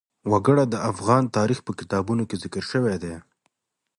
وګړي د افغان تاریخ په کتابونو کې ذکر شوی دي.